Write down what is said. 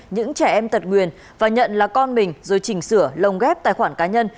những trẻ em tật nguyền và nhận là con mình rồi chỉnh sửa lồng ghép tài khoản cá nhân